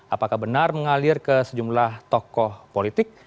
apakah benar mengalir ke sejumlah tokoh politik